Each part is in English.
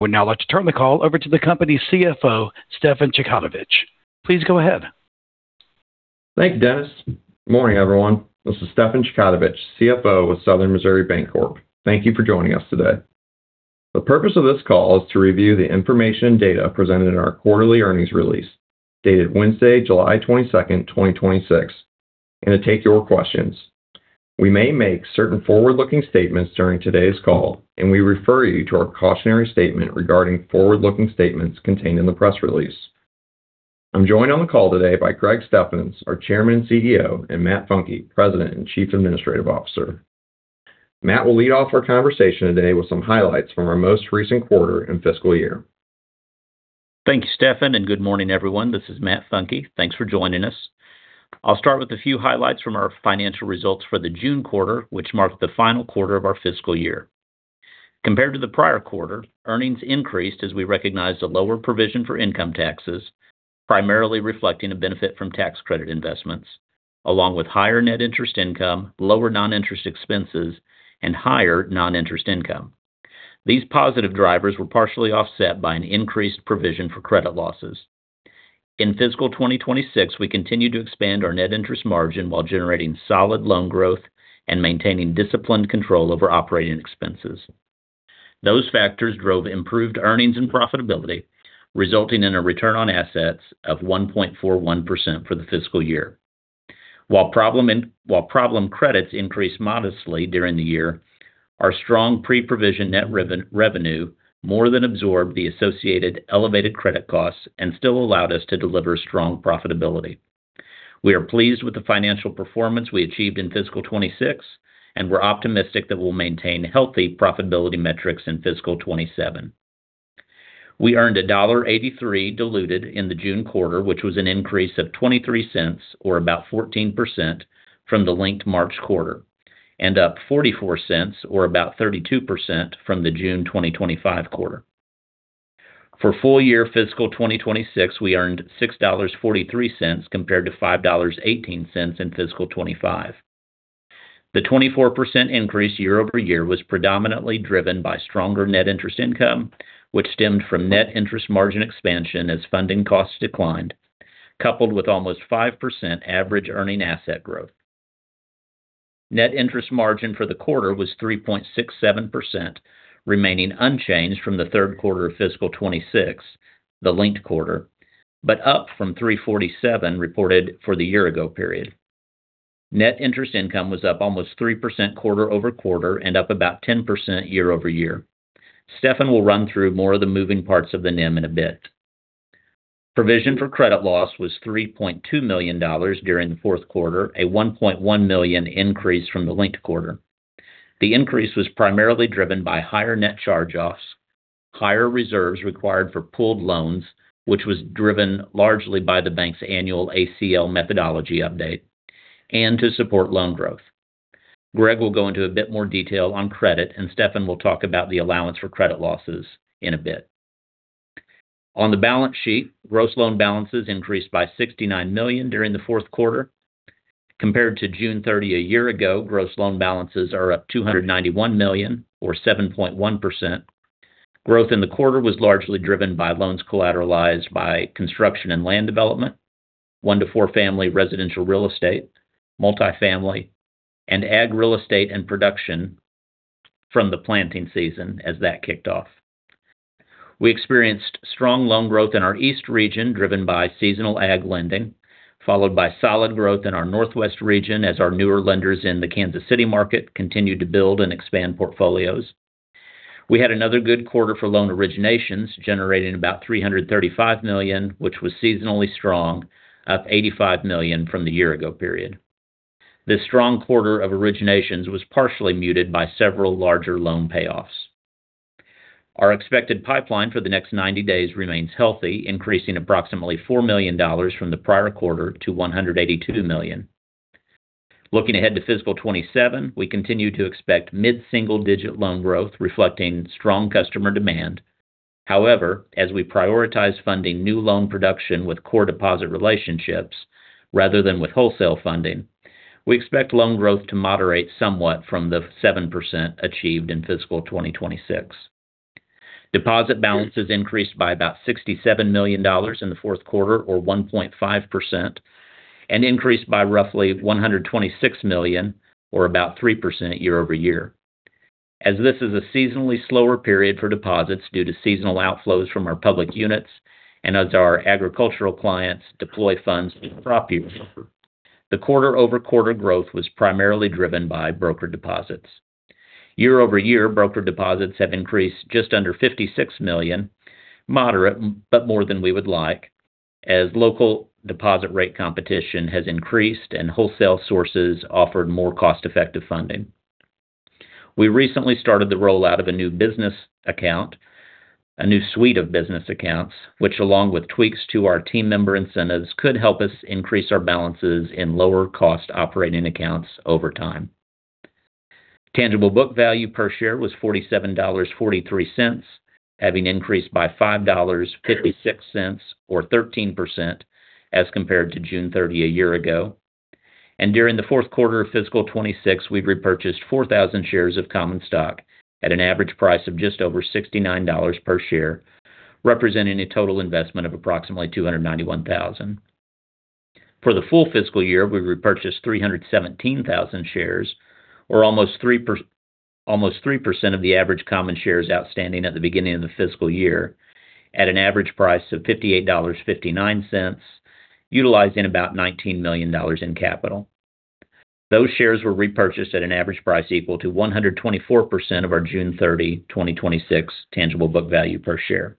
I would now like to turn the call over to the company CFO, Stefan Chkautovich. Please go ahead. Thank you, Dennis. Morning, everyone. This is Stefan Chkautovich, CFO of Southern Missouri Bancorp. Thank you for joining us today. The purpose of this call is to review the information and data presented in our quarterly earnings release, dated Wednesday, July 22nd, 2026, and to take your questions. We may make certain forward-looking statements during today's call. We refer you to our cautionary statement regarding forward-looking statements contained in the press release. I'm joined on the call today by Greg Steffens, our Chairman and CEO, and Matt Funke, President and Chief Administrative Officer. Matt will lead off our conversation today with some highlights from our most recent quarter and fiscal year. Thank you, Stefan. Good morning, everyone. This is Matt Funke. Thanks for joining us. I'll start with a few highlights from our financial results for the June quarter, which marked the final quarter of our fiscal year. Compared to the prior quarter, earnings increased as we recognized a lower provision for income taxes, primarily reflecting a benefit from tax credit investments, along with higher net interest income, lower non-interest expenses, and higher non-interest income. These positive drivers were partially offset by an increased provision for credit losses. In fiscal 2026, we continued to expand our net interest margin while generating solid loan growth and maintaining disciplined control over operating expenses. Those factors drove improved earnings and profitability, resulting in a return on assets of 1.41% for the fiscal year. While problem credits increased modestly during the year, our strong pre-provision net revenue more than absorbed the associated elevated credit costs and still allowed us to deliver strong profitability. We are pleased with the financial performance we achieved in fiscal 2026. We're optimistic that we'll maintain healthy profitability metrics in fiscal 2027. We earned $1.83 diluted in the June quarter, which was an increase of $0.23, or about 14%, from the linked March quarter, and up $0.44, or about 32%, from the June 2025 quarter. For full year fiscal 2026, we earned $6.43 compared to $5.18 in fiscal 2025. The 24% increase year-over-year was predominantly driven by stronger net interest income, which stemmed from net interest margin expansion as funding costs declined, coupled with almost 5% average earning asset growth. Net interest margin for the quarter was 3.67%, remaining unchanged from the third quarter of fiscal 2026, the linked quarter, but up from 3.47% reported for the year-ago period. Net interest income was up almost 3% quarter-over-quarter and up about 10% year-over-year. Stefan will run through more of the moving parts of the NIM in a bit. Provision for credit loss was $3.2 million during the fourth quarter, a $1.1 million increase from the linked quarter. The increase was primarily driven by higher net charge-offs, higher reserves required for pooled loans, which was driven largely by the bank's annual ACL methodology update, and to support loan growth. Greg will go into a bit more detail on credit, and Stefan will talk about the allowance for credit losses in a bit. On the balance sheet, gross loan balances increased by $69 million during the fourth quarter. Compared to June 30 a year ago, gross loan balances are up $291 million, or 7.1%. Growth in the quarter was largely driven by loans collateralized by construction and land development, one-to-four-family residential real estate, multifamily, and ag real estate and production from the planting season as that kicked off. We experienced strong loan growth in our east region driven by seasonal ag lending, followed by solid growth in our northwest region as our newer lenders in the Kansas City market continued to build and expand portfolios. We had another good quarter for loan originations, generating about $335 million, which was seasonally strong, up $85 million from the year-ago period. This strong quarter of originations was partially muted by several larger loan payoffs. Our expected pipeline for the next 90 days remains healthy, increasing approximately $4 million from the prior quarter to $182 million. Looking ahead to fiscal 2027, we continue to expect mid-single-digit loan growth reflecting strong customer demand. However, as we prioritize funding new loan production with core deposit relationships rather than with wholesale funding, we expect loan growth to moderate somewhat from the 7% achieved in fiscal 2026. Deposit balances increased by about $67 million in the fourth quarter, or 1.5%, and increased by roughly $126 million, or about 3%, year-over-year. As this is a seasonally slower period for deposits due to seasonal outflows from our public units and as our agricultural clients deploy funds for the crop year. The quarter-over-quarter growth was primarily driven by broker deposits. Year-over-year, broker deposits have increased just under $56 million, moderate, but more than we would like, as local deposit rate competition has increased and wholesale sources offered more cost-effective funding. We recently started the rollout of a new suite of business accounts, which along with tweaks to our team member incentives, could help us increase our balances in lower-cost operating accounts over time. Tangible book value per share was $47.43, having increased by $5.56, or 13%, as compared to June 30 a year ago. During the fourth quarter of fiscal 2026, we've repurchased 4,000 shares of common stock at an average price of just over $69 per share, representing a total investment of approximately $291,000. For the full fiscal year, we repurchased 317,000 shares, or almost 3% of the average common shares outstanding at the beginning of the fiscal year, at an average price of $58.59, utilizing about $19 million in capital. Those shares were repurchased at an average price equal to 124% of our June 30, 2026, tangible book value per share.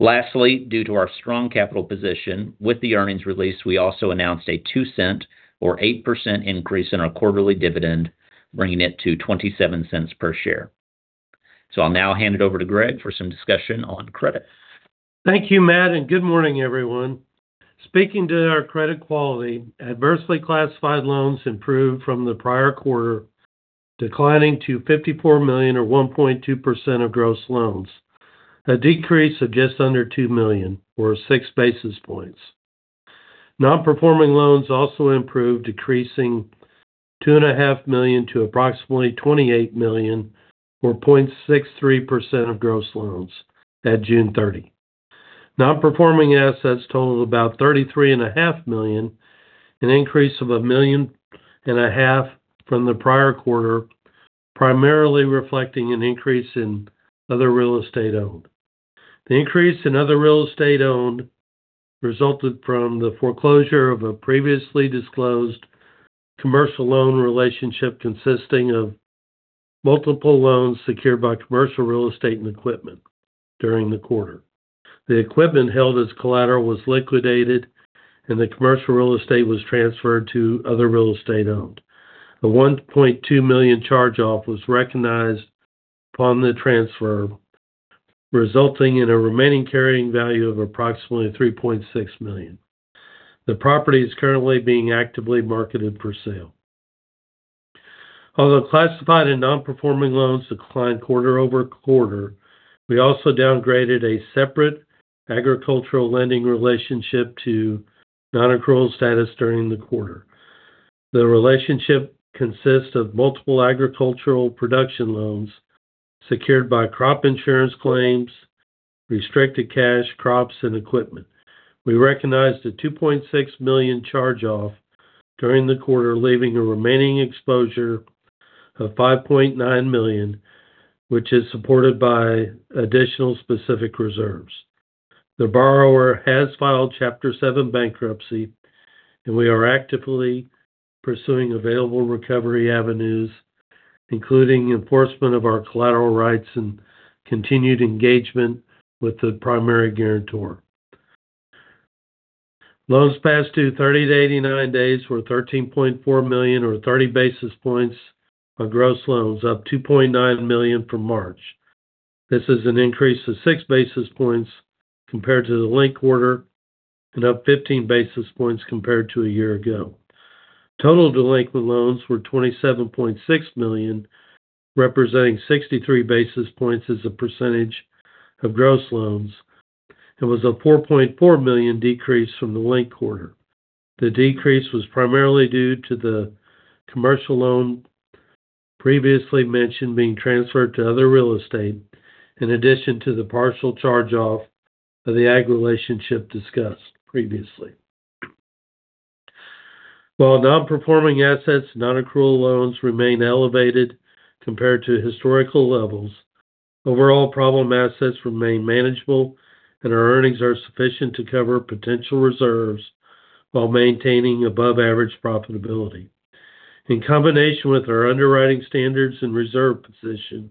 Lastly, due to our strong capital position with the earnings release, we also announced a $0.02 or 8% increase in our quarterly dividend, bringing it to $0.27 per share. I'll now hand it over to Greg for some discussion on credit. Thank you, Matt, and good morning, everyone. Speaking to our credit quality, adversely classified loans improved from the prior quarter, declining to $54 million or 1.2% of gross loans, a decrease of just under $2 million or six basis points. Non-performing loans also improved, decreasing $2.5 million to approximately $28 million or 0.63% of gross loans at June 30. Non-performing assets totaled about $33.5 million, an increase of $1.5 million from the prior quarter, primarily reflecting an increase in other real estate owned. The increase in other real estate owned resulted from the foreclosure of a previously disclosed commercial loan relationship consisting of multiple loans secured by commercial real estate and equipment during the quarter. The equipment held as collateral was liquidated and the commercial real estate was transferred to other real estate owned. A $1.2 million charge-off was recognized upon the transfer, resulting in a remaining carrying value of approximately $3.6 million. The property is currently being actively marketed for sale. Although classified and non-performing loans declined quarter-over-quarter, we also downgraded a separate agricultural lending relationship to non-accrual status during the quarter. The relationship consists of multiple agricultural production loans secured by crop insurance claims, restricted cash crops, and equipment. We recognized a $2.6 million charge-off during the quarter, leaving a remaining exposure of $5.9 million, which is supported by additional specific reserves. The borrower has filed Chapter 7 bankruptcy, and we are actively pursuing available recovery avenues, including enforcement of our collateral rights and continued engagement with the primary guarantor. Loans past due 30 to 89 days were $13.4 million or 30 basis points of gross loans, up $2.9 million from March. This is an increase of six basis points compared to the linked quarter and up 15 basis points compared to a year ago. Total delinquent loans were $27.6 million, representing 63 basis points as a percentage of gross loans, and was a $4.4 million decrease from the linked quarter. The decrease was primarily due to the commercial loan previously mentioned being transferred to other real estate, in addition to the partial charge-off of the ag relationship discussed previously. While non-performing assets and non-accrual loans remain elevated compared to historical levels, overall problem assets remain manageable, and our earnings are sufficient to cover potential reserves while maintaining above-average profitability. In combination with our underwriting standards and reserve position,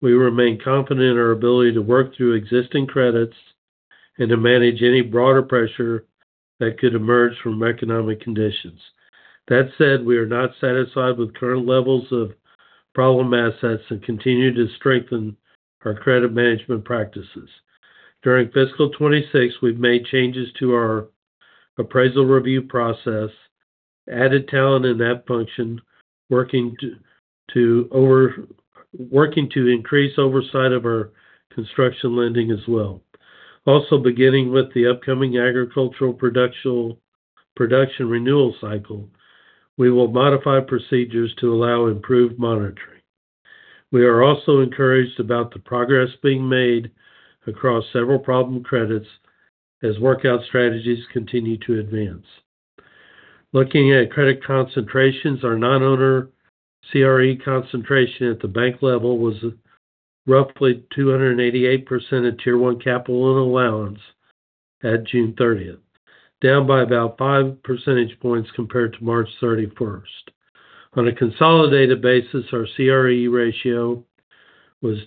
we remain confident in our ability to work through existing credits and to manage any broader pressure that could emerge from economic conditions. That said, we are not satisfied with current levels of problem assets and continue to strengthen our credit management practices. During fiscal 2026, we've made changes to our appraisal review process, added talent in that function, working to increase oversight of our construction lending as well. Beginning with the upcoming agricultural production renewal cycle, we will modify procedures to allow improved monitoring. We are also encouraged about the progress being made across several problem credits as workout strategies continue to advance. Looking at credit concentrations, our non-owner CRE concentration at the bank level was roughly 288% of Tier 1 capital and allowance at June 30th, down by about five percentage points compared to March 31st. On a consolidated basis, our CRE ratio was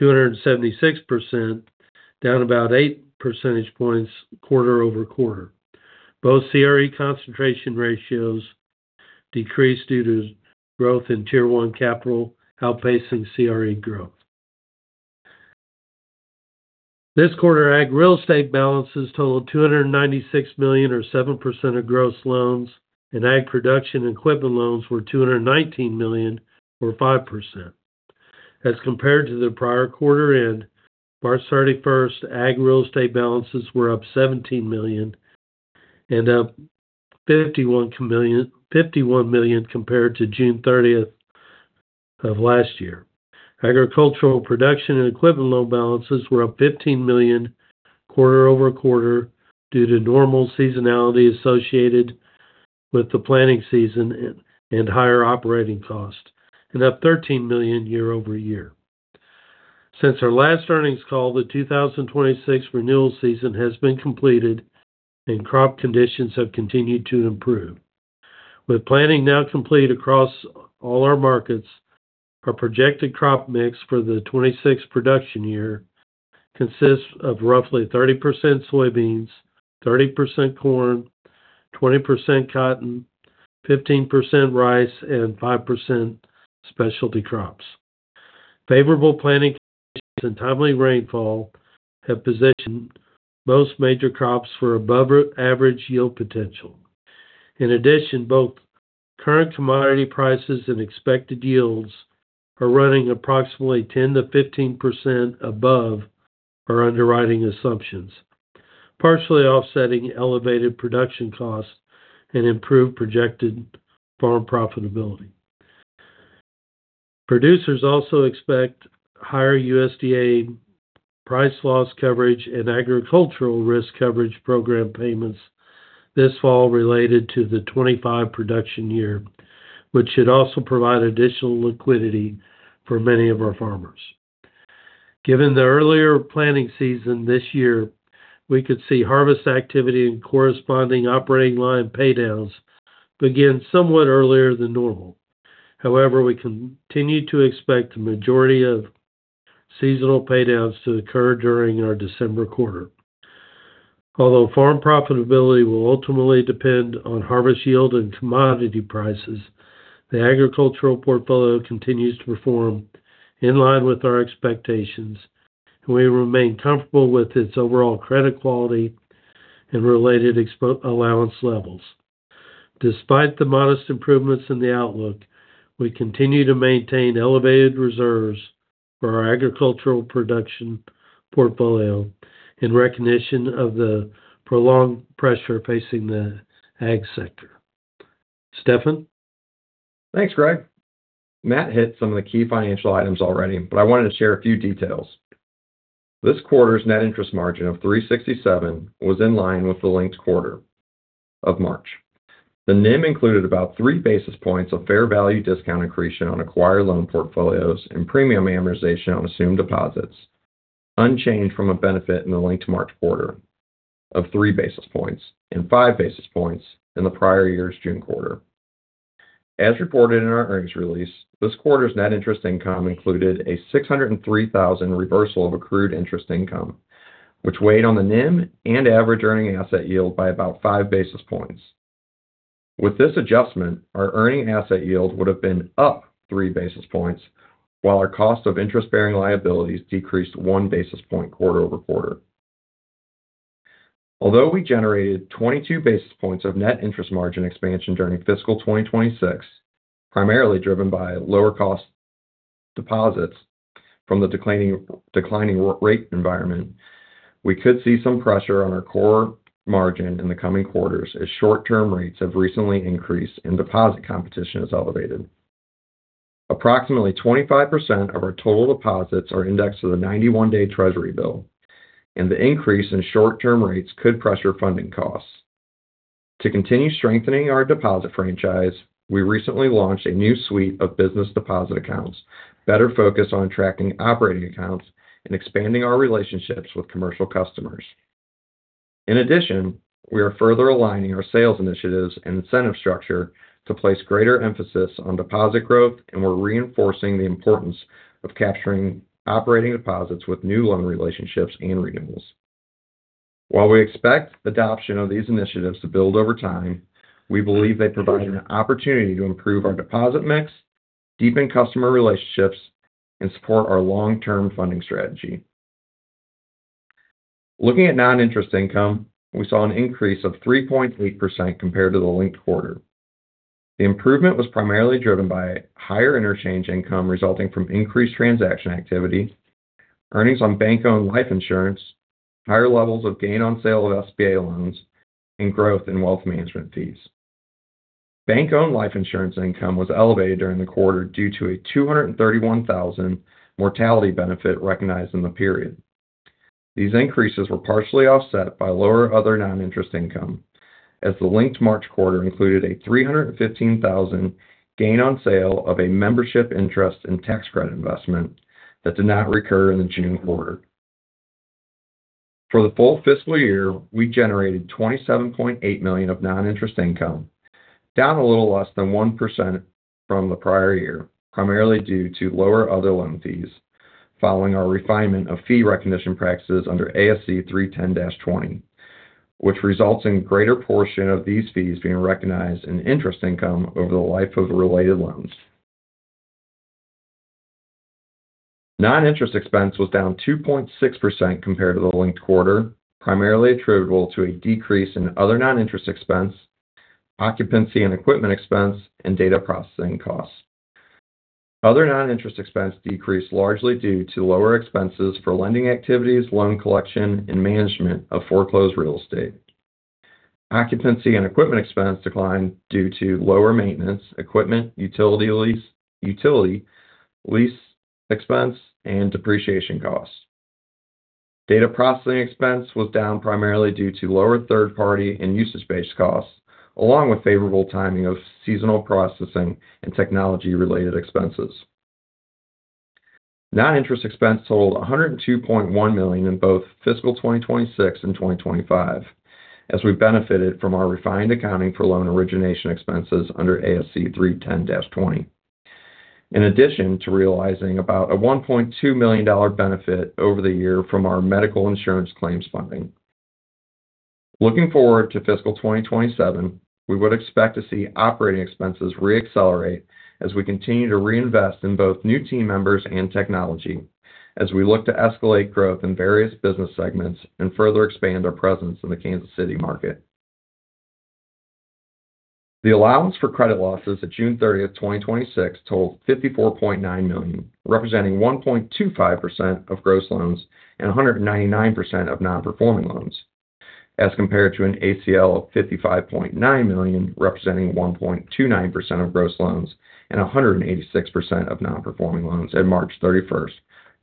276%, down about eight percentage points quarter-over-quarter. Both CRE concentration ratios decreased due to growth in Tier 1 capital outpacing CRE growth. This quarter, ag real estate balances totaled $296 million, or 7% of gross loans, and ag production and equipment loans were $219 million, or 5%. As compared to the prior quarter end, March 31st, ag real estate balances were up $17 million and up $51 million compared to June 30th of last year. Agricultural production and equipment loan balances were up $15 million quarter-over-quarter due to normal seasonality associated with the planting season and higher operating costs, and up $13 million year-over-year. Since our last earnings call, the 2026 renewal season has been completed and crop conditions have continued to improve. With planting now complete across all our markets, our projected crop mix for the 2026 production year consists of roughly 30% soybeans, 30% corn, 20% cotton, 15% rice, and 5% specialty crops. Favorable planting and timely rainfall have positioned most major crops for above average yield potential. Both current commodity prices and expected yields are running approximately 10%-15% above our underwriting assumptions, partially offsetting elevated production costs and improved projected farm profitability. Producers also expect higher USDA Price Loss Coverage and Agricultural Risk Coverage program payments this fall related to the 2025 production year, which should also provide additional liquidity for many of our farmers. Given the earlier planting season this year, we could see harvest activity and corresponding operating line paydowns begin somewhat earlier than normal. We continue to expect the majority of seasonal paydowns to occur during our December quarter. Farm profitability will ultimately depend on harvest yield and commodity prices, the agricultural portfolio continues to perform in line with our expectations, and we remain comfortable with its overall credit quality and related allowance levels. Despite the modest improvements in the outlook, we continue to maintain elevated reserves for our agricultural production portfolio in recognition of the prolonged pressure facing the ag sector. Stefan? Thanks, Greg. Matt hit some of the key financial items already, but I wanted to share a few details. This quarter's net interest margin of 367% was in line with the linked quarter of March. The NIM included about three basis points of fair value discount accretion on acquired loan portfolios and premium amortization on assumed deposits, unchanged from a benefit in the linked March quarter of three basis points and five basis points in the prior year's June quarter. As reported in our earnings release, this quarter's net interest income included a $603,000 reversal of accrued interest income, which weighed on the NIM and average earning asset yield by about five basis points. With this adjustment, our earning asset yield would have been up three basis points, while our cost of interest-bearing liabilities decreased one basis point quarter-over-quarter. Although we generated 22 basis points of net interest margin expansion during fiscal 2026, primarily driven by lower cost deposits from the declining rate environment, we could see some pressure on our core margin in the coming quarters as short-term rates have recently increased and deposit competition is elevated. Approximately 25% of our total deposits are indexed to the 91-day Treasury bill, and the increase in short-term rates could pressure funding costs. To continue strengthening our deposit franchise, we recently launched a new suite of business deposit accounts, better focused on attracting operating accounts and expanding our relationships with commercial customers. In addition, we are further aligning our sales initiatives and incentive structure to place greater emphasis on deposit growth, and we're reinforcing the importance of capturing operating deposits with new loan relationships and renewals. While we expect adoption of these initiatives to build over time, we believe they provide an opportunity to improve our deposit mix, deepen customer relationships, and support our long-term funding strategy. Looking at non-interest income, we saw an increase of 3.8% compared to the linked quarter. The improvement was primarily driven by higher interchange income resulting from increased transaction activity, earnings on bank-owned life insurance, higher levels of gain on sale of SBA loans, and growth in wealth management fees. Bank-owned life insurance income was elevated during the quarter due to a $231,000 mortality benefit recognized in the period. These increases were partially offset by lower other non-interest income, as the linked March quarter included a $315,000 gain on sale of a membership interest and tax credit investment that did not recur in the June quarter. For the full fiscal year, we generated $27.8 million of non-interest income, down a little less than 1% from the prior year, primarily due to lower other loan fees following our refinement of fee recognition practices under ASC 310-20, which results in a greater portion of these fees being recognized in interest income over the life of the related loans. Non-interest expense was down 2.6% compared to the linked quarter, primarily attributable to a decrease in other non-interest expense, Occupancy and equipment expense, and data processing costs. Other non-interest expense decreased largely due to lower expenses for lending activities, loan collection, and management of foreclosed real estate. Occupancy and equipment expense declined due to lower maintenance, equipment, utility lease expense, and depreciation costs. Data processing expense was down primarily due to lower third-party and usage-based costs, along with favorable timing of seasonal processing and technology related expenses. Non-interest expense totaled $102.1 million in both fiscal 2026 and 2025, as we benefited from our refined accounting for loan origination expenses under ASC 310-20. In addition to realizing about a $1.2 million benefit over the year from our medical insurance claims funding. Looking forward to fiscal 2027, we would expect to see operating expenses re-accelerate as we continue to reinvest in both new team members and technology, as we look to escalate growth in various business segments and further expand our presence in the Kansas City market. The allowance for credit losses at June 30th, 2026 totaled $54.9 million, representing 1.25% of gross loans and 199% of non-performing loans, as compared to an ACL of $55.9 million, representing 1.29% of gross loans and 186% of non-performing loans at March 31st,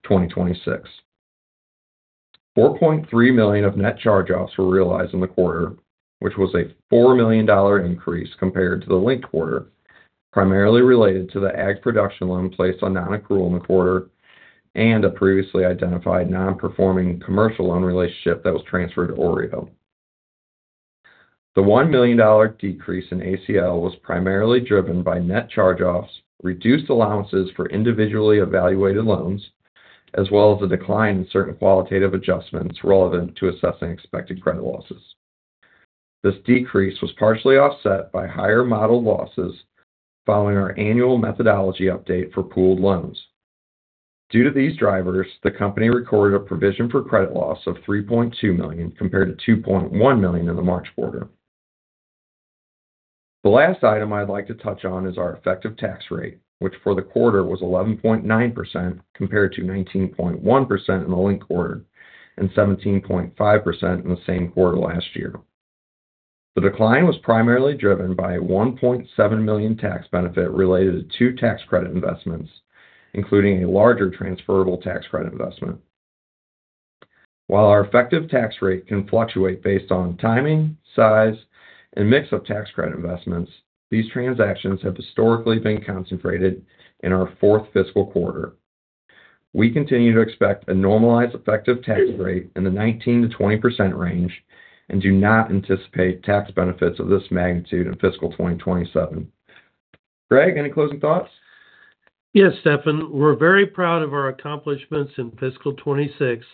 2026. $4.3 million of net charge-offs were realized in the quarter, which was a $4 million increase compared to the linked quarter, primarily related to the ag production loan placed on non-accrual in the quarter, and a previously identified non-performing commercial loan relationship that was transferred to OREO. The $1 million decrease in ACL was primarily driven by net charge-offs, reduced allowances for individually evaluated loans, as well as a decline in certain qualitative adjustments relevant to assessing expected credit losses. This decrease was partially offset by higher modeled losses following our annual methodology update for pooled loans. Due to these drivers, the company recorded a provision for credit loss of $3.2 million, compared to $2.1 million in the March quarter. The last item I'd like to touch on is our effective tax rate, which for the quarter was 11.9%, compared to 19.1% in the linked quarter and 17.5% in the same quarter last year. The decline was primarily driven by a $1.7 million tax benefit related to two tax credit investments, including a larger transferable tax credit investment. While our effective tax rate can fluctuate based on timing, size, and mix of tax credit investments, these transactions have historically been concentrated in our fourth fiscal quarter. We continue to expect a normalized effective tax rate in the 19%-20% range and do not anticipate tax benefits of this magnitude in fiscal 2027. Greg, any closing thoughts? Yes, Stefan. We're very proud of our accomplishments in fiscal 2026,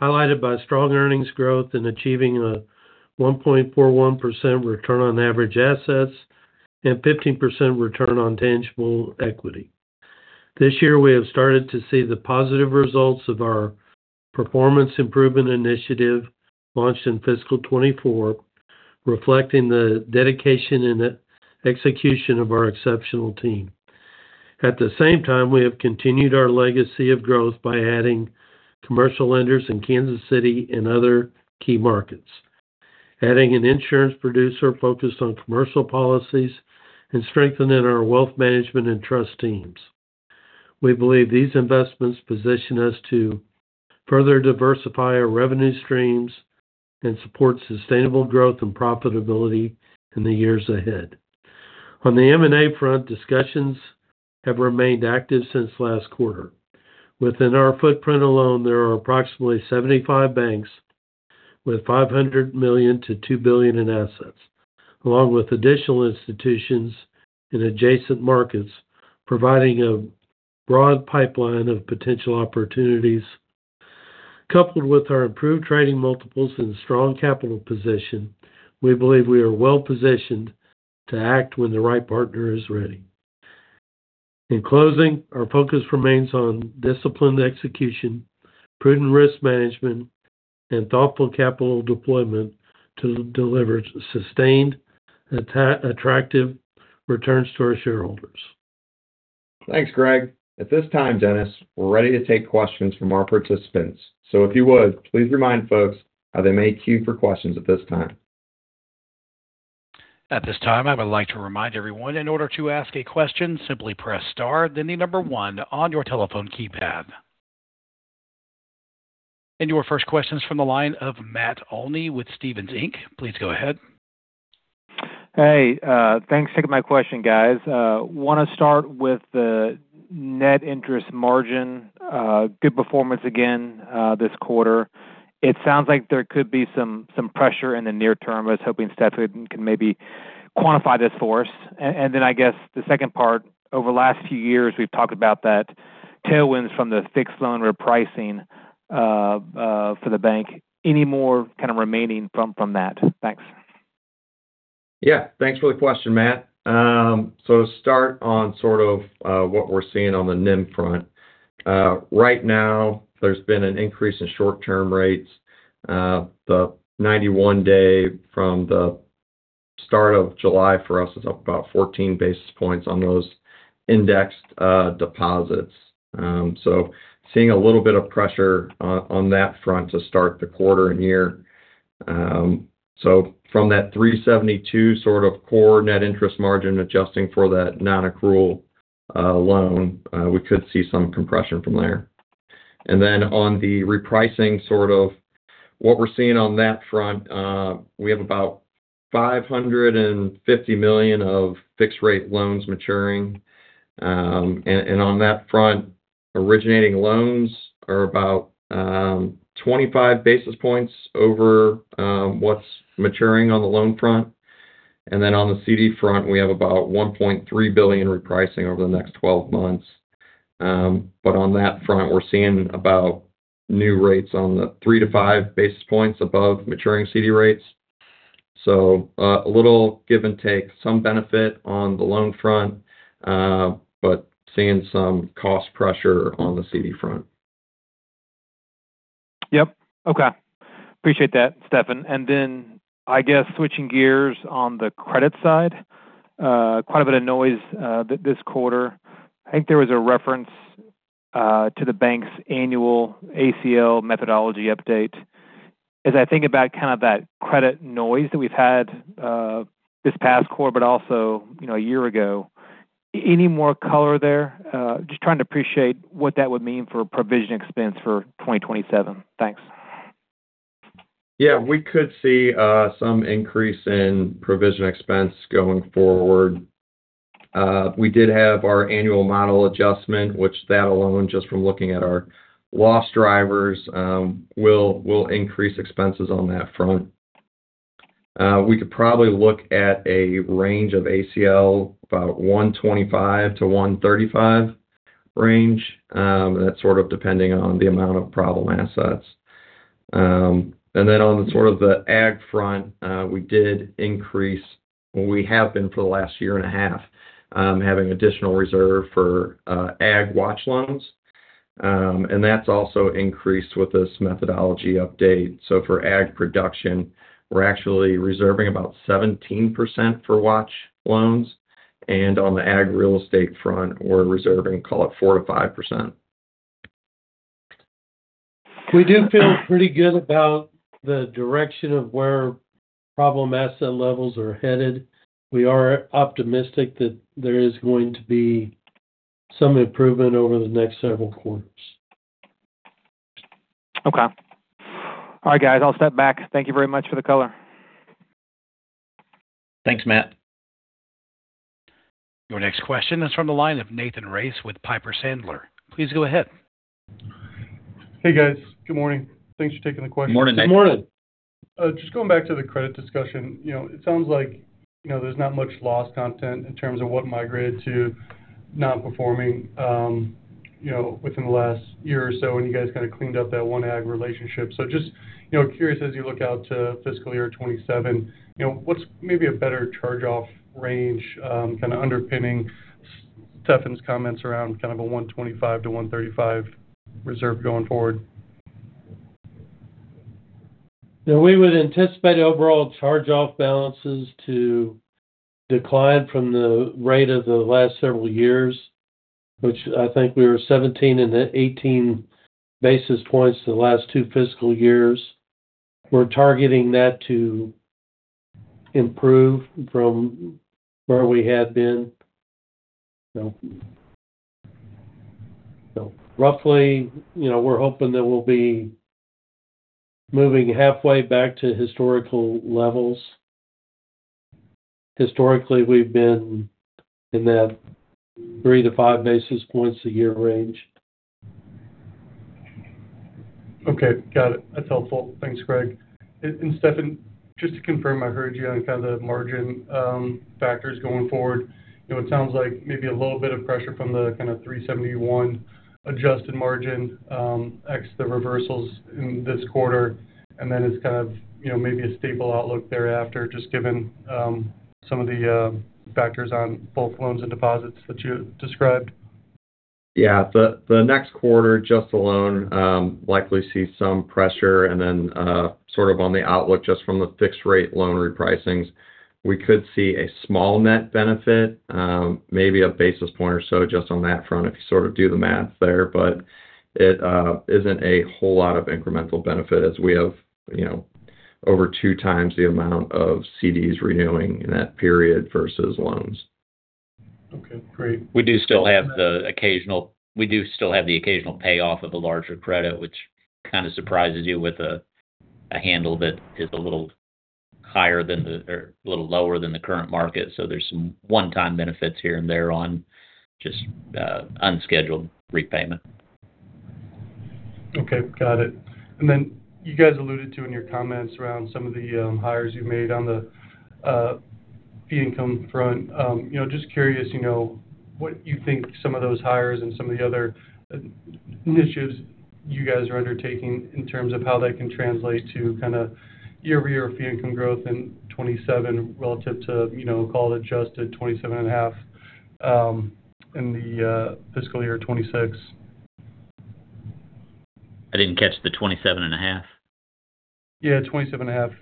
highlighted by strong earnings growth and achieving a 1.41% return on average assets and 15% return on tangible equity. This year, we have started to see the positive results of our performance improvement initiative launched in fiscal 2024, reflecting the dedication and execution of our exceptional team. At the same time, we have continued our legacy of growth by adding commercial lenders in Kansas City and other key markets, adding an insurance producer focused on commercial policies, and strengthening our wealth management and trust teams. We believe these investments position us to further diversify our revenue streams and support sustainable growth and profitability in the years ahead. On the M&A front, discussions have remained active since last quarter. Within our footprint alone, there are approximately 75 banks with $500 million-$2 billion in assets, along with additional institutions in adjacent markets, providing a broad pipeline of potential opportunities. Coupled with our improved trading multiples and strong capital position, we believe we are well positioned to act when the right partner is ready. In closing, our focus remains on disciplined execution, prudent risk management, and thoughtful capital deployment to deliver sustained, attractive returns to our shareholders. Thanks, Greg. At this time, Dennis, we're ready to take questions from our participants. If you would, please remind folks how they may queue for questions at this time. At this time, I would like to remind everyone, in order to ask a question, simply press star, then the number one on your telephone keypad. Your first question is from the line of Matt Olney with Stephens Inc. Please go ahead. Hey, thanks for taking my question, guys. Want to start with the net interest margin. Good performance again this quarter. It sounds like there could be some pressure in the near term. I was hoping Stefan can maybe quantify this for us. Then I guess the second part, over the last few years, we've talked about that tailwinds from the fixed loan repricing for the bank. Any more kind of remaining from that? Thanks. Yeah. Thanks for the question, Matt. To start on sort of what we are seeing on the NIM front. Right now, there has been an increase in short-term rates. The 91-day from the start of July for us is up about 14 basis points on those indexed deposits. Seeing a little bit of pressure on that front to start the quarter and year. From that 372 sort of core net interest margin, adjusting for that non-accrual loan, we could see some compression from there. On the repricing sort of what we are seeing on that front, we have about $550 million of fixed rate loans maturing. On that front, originating loans are about 25 basis points over what is maturing on the loan front. On the CD front, we have about $1.3 billion repricing over the next 12 months. On that front, we are seeing about new rates on the 3 to 5 basis points above maturing CD rates. A little give and take, some benefit on the loan front, but seeing some cost pressure on the CD front. Yep. Okay. Appreciate that, Stefan. I guess switching gears on the credit side, quite a bit of noise this quarter. I think there was a reference to the bank's annual ACL methodology update. As I think about kind of that credit noise that we have had this past quarter, but also a year ago, any more color there? Just trying to appreciate what that would mean for provision expense for 2027. Thanks. Yeah, we could see some increase in provision expense going forward. We did have our annual model adjustment, which that alone, just from looking at our loss drivers, will increase expenses on that front. We could probably look at a range of ACL, about 125 basis points-135 basis points range. That is sort of depending on the amount of problem assets. On the ag front, we did increase, well, we have been for the last year and a half, having additional reserve for ag watch loans. That is also increased with this methodology update. For ag production, we are actually reserving about 17% for watch loans. On the ag real estate front, we are reserving, call it 4% to 5%. We do feel pretty good about the direction of where problem asset levels are headed. We are optimistic that there is going to be some improvement over the next several quarters. Okay. All right, guys, I'll step back. Thank you very much for the color. Thanks, Matt. Your next question is from the line of Nathan Race with Piper Sandler. Please go ahead. Hey, guys. Good morning. Thanks for taking the question. Morning, Nathan. Good morning. Just going back to the credit discussion, it sounds like there's not much loss content in terms of what migrated to non-performing within the last year or so when you guys kind of cleaned up that one ag relationship. Just curious, as you look out to fiscal year 2027, what's maybe a better charge-off range kind of underpinning Stefan's comments around kind of a 125 basis points-135 basis points reserve going forward? We would anticipate overall charge-off balances to decline from the rate of the last several years, which I think we were 17 basis points and then 18 basis points the last two fiscal years. We're targeting that to improve from where we had been. Roughly, we're hoping that we'll be moving halfway back to historical levels. Historically, we've been in that three to five basis points a year range. Okay. Got it. That's helpful. Thanks, Greg. Stefan, just to confirm, I heard you on kind of the margin factors going forward. It sounds like maybe a little bit of pressure from the kind of 371 adjusted margin, ex the reversals in this quarter, and then it's kind of maybe a stable outlook thereafter, just given some of the factors on both loans and deposits that you described. Yeah. The next quarter just alone likely see some pressure and then sort of on the outlook, just from the fixed rate loan repricings, we could see a small net benefit, maybe a basis point or so just on that front if you sort of do the math there. It isn't a whole lot of incremental benefit as we have over two times the amount of CDs renewing in that period versus loans. Okay, great. We do still have the occasional payoff of a larger credit, which kind of surprises you with a handle that is a little lower than the current market. There's some one-time benefits here and there on just unscheduled repayment. Okay. Got it. You guys alluded to in your comments around some of the hires you made on the fee income front. Just curious, what you think some of those hires and some of the other initiatives you guys are undertaking in terms of how that can translate to year-over-year fee income growth in 2027 relative to call it adjusted $27.5 million in the fiscal year 2026. I didn't catch the $27.5 million. Yeah, $27.5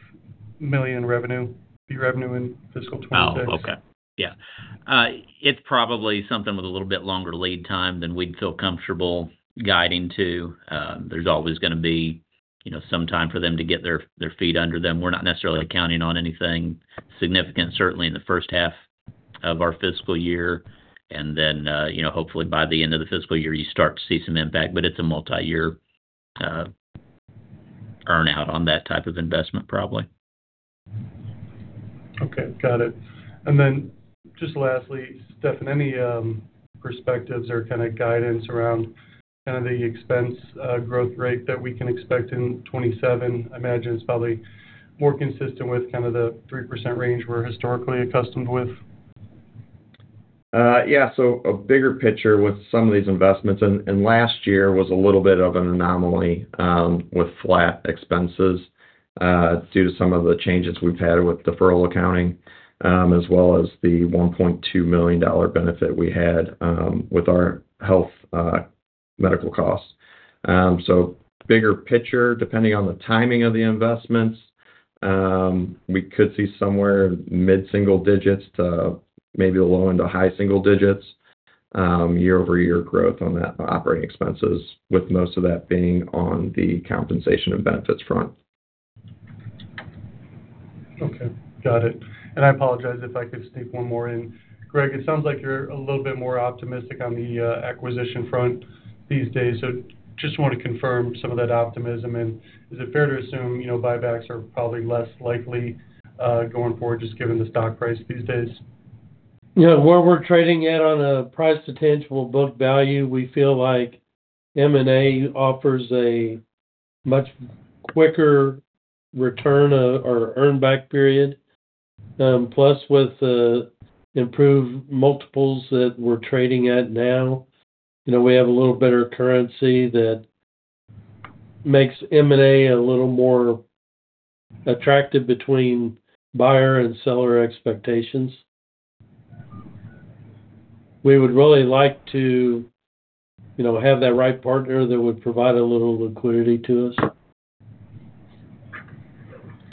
million revenue, fee revenue in fiscal 2026. Okay. Yeah. It's probably something with a little bit longer lead time than we'd feel comfortable guiding to. There's always going to be some time for them to get their feet under them. We're not necessarily counting on anything significant, certainly in the first half of our fiscal year. Hopefully by the end of the fiscal year, you start to see some impact, but it's a multi-year earn-out on that type of investment, probably. Okay. Got it. Just lastly, Stefan, any perspectives or kind of guidance around the expense growth rate that we can expect in 2027? I imagine it's probably more consistent with kind of the 3% range we're historically accustomed with. Yeah. A bigger picture with some of these investments, Last year was a little bit of an anomaly with flat expenses due to some of the changes we've had with deferral accounting, as well as the $1.2 million benefit we had with our health medical costs. Bigger picture, depending on the timing of the investments, we could see somewhere mid-single digits to maybe low into high single digits year-over-year growth on that operating expenses, with most of that being on the compensation and benefits front. Okay. Got it. I apologize if I could sneak one more in. Greg, it sounds like you're a little bit more optimistic on the acquisition front these days. Just want to confirm some of that optimism. Is it fair to assume buybacks are probably less likely going forward just given the stock price these days? Yeah. Where we're trading at on a price to tangible book value, we feel like M&A offers a much quicker return or earn back period. Plus with the improved multiples that we're trading at now, we have a little better currency that makes M&A a little more attractive between buyer and seller expectations. We would really like to have that right partner that would provide a little liquidity to us.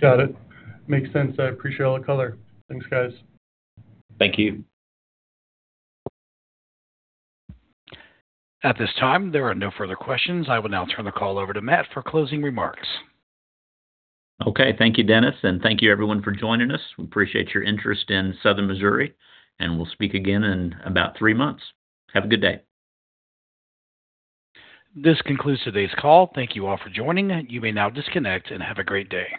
Got it. Makes sense. I appreciate all the color. Thanks, guys. Thank you. At this time, there are no further questions. I will now turn the call over to Matt for closing remarks. Okay. Thank you, Dennis. Thank you everyone for joining us. We appreciate your interest in Southern Missouri. We'll speak again in about three months. Have a good day. This concludes today's call. Thank you all for joining. You may now disconnect and have a great day.